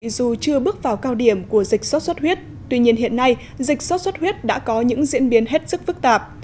dù chưa bước vào cao điểm của dịch sốt xuất huyết tuy nhiên hiện nay dịch sốt xuất huyết đã có những diễn biến hết sức phức tạp